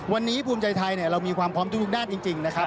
วันนี้ภูมิใจไทยเรามีความพร้อมทุกด้านจริงนะครับ